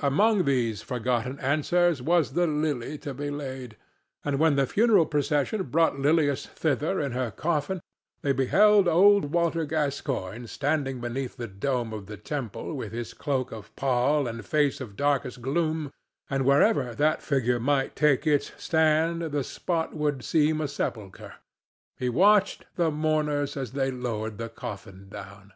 Among those forgotten ancestors was the Lily to be laid; and when the funeral procession brought Lilias thither in her coffin, they beheld old Walter Gascoigne standing beneath the dome of the temple with his cloak of pall and face of darkest gloom, and wherever that figure might take its stand the spot would seem a sepulchre. He watched the mourners as they lowered the coffin down.